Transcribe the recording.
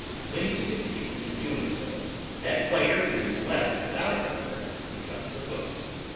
When he succeeds in so doing, that player who is left without a corner becomes the puss.